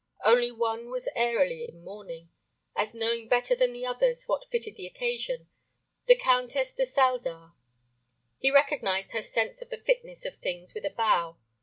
Only one was [Pg 11]airily in mourning, as knowing better than the others what fitted the occasion, the Countess de Saldar. He recognized her sense of the fitness of things with a bow.